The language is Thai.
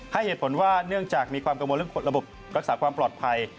ให้เหตุผลว่าเนื่องจากมีความกังวลเรื่องระบบรักษาความปลอดภัย